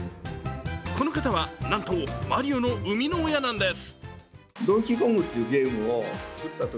この方、なんとマリオの生みの親なんです。